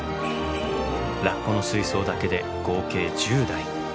ラッコの水槽だけで合計１０台。